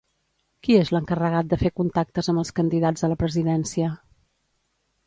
Qui és l'encarregat de fer contactes amb els candidats a la presidència?